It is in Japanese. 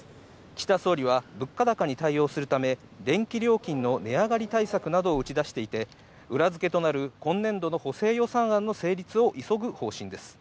岸田総理は物価高に対応するため電気料金の値上がり対策などを打ち出していて、裏付けとなる今年度の補正予算案の成立を急ぐ方針です。